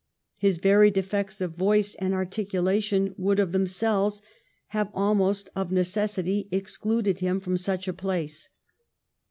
His very defects of voice and articulation would of themselves have almost of necessity excluded him from such a place.